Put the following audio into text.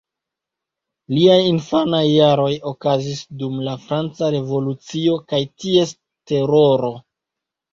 Liaj infanaj jaroj okazis dum la Franca revolucio kaj ties Teroro.